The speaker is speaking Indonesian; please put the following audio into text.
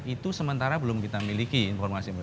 itu sementara belum kita miliki informasi